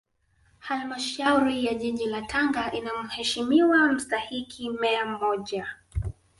Halmashauri ya Jiji la Tanga ina Mheshimiwa Mstahiki Meya mmoja